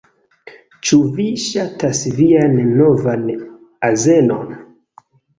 Ĉu vi ŝatas vian novan azenon?